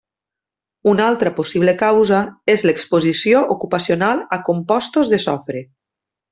Una altra possible causa és l'exposició ocupacional a compostos de sofre.